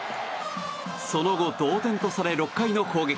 その後、同点とされ６回の攻撃。